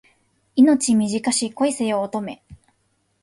命短し恋せよ乙女